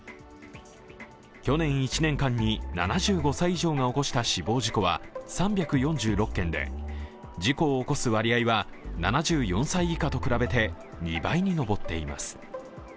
去年１年間に７５歳以上が起こした死亡事故は３４６件で事故を起こす割合は７４歳以下と比べて２倍に上っています。